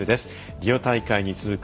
リオ大会に続く